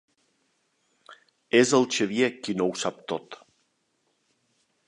És el Xavier qui no ho sap tot.